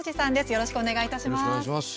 よろしくお願いします。